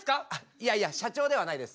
いやいや社長ではないです。